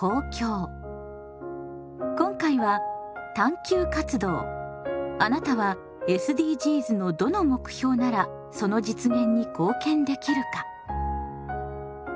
今回は「探究活動あなたはＳＤＧｓのどの目標ならその実現に貢献できるか？」。